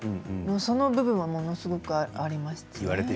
その部分はものすごくありますね。